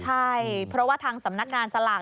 ใช่เพราะว่าทางสำนักงานสลาก